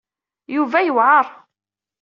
Yuba yewɛeṛ.